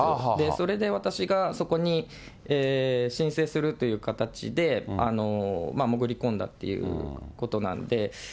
それで私がそこに申請するという形で、潜りこんだっていうことなんで。